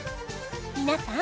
皆さん